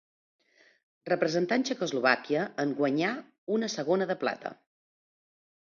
Representant Txecoslovàquia en guanyà una segona de plata.